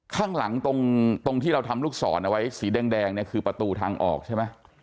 ข้างหลังตรงที่เราทำลูกศรเอาไว้สีแดงเนี่ยคือประตูทางออกใช่ไหม